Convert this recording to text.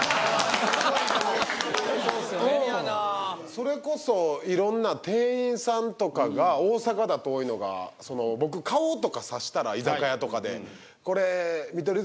それこそいろんな店員さんとかが大阪だと多いのが僕顔とかさしたら居酒屋とかで「これ」。